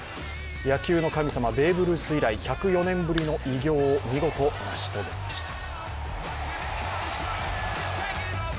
野球の神様、ベーブ・ルース以来、１０４年ぶりの偉業を見事、成し遂げました。